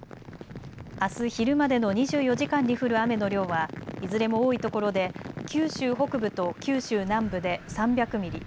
あす昼までの２４時間に降る雨の量はいずれも多い所で九州北部と九州南部で３００ミリ